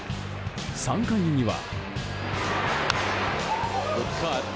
３回には。